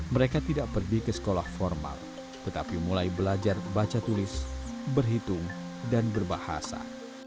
mereka tidak pergi ke sekolah formal tetapi mulai belajar baca tulis berhitung dan berbahasa